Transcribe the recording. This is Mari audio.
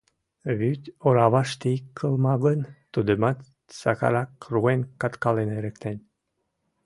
Вӱд ораваште ий кылма гын, тудымат Сакарак руэн-каткален эрыктен.